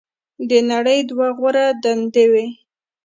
"د نړۍ دوه غوره دندې وې.